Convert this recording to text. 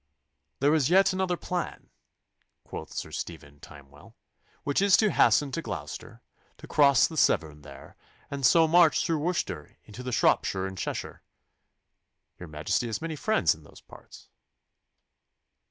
'There is yet another plan,' quoth Sir Stephen Timewell, 'which is to hasten to Gloucester, to cross the Severn there, and so march through Worcestershire into Shropshire and Cheshire. Your Majesty has many friends in those parts.